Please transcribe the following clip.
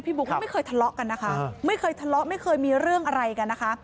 บอกว่าไม่เคยทะเลาะกันนะคะไม่เคยทะเลาะไม่เคยมีเรื่องอะไรกันนะคะ